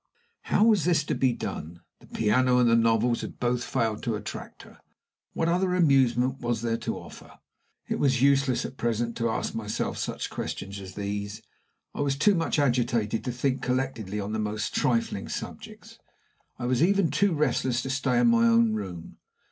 How was this to be done? The piano and the novels had both failed to attract her. What other amusement was there to offer? It was useless, at present, to ask myself such questions as these. I was too much agitated to think collectedly on the most trifling subjects. I was even too restless to stay in my own room.